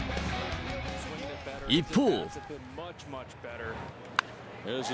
一方。